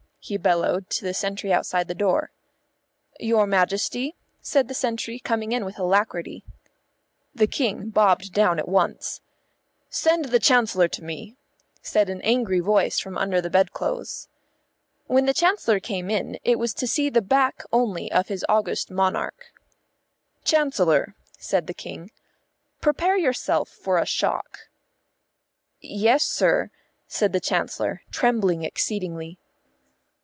he bellowed to the sentry outside the door. "Your Majesty," said the sentry, coming in with alacrity. [Illustration: The tent seemed to swim before his eyes, and he knew no more] The King bobbed down again at once. "Send the Chancellor to me," said an angry voice from under the bedclothes. When the Chancellor came in it was to see the back only of his august monarch. "Chancellor," said the King, "prepare yourself for a shock." "Yes, sir," said the Chancellor, trembling exceedingly.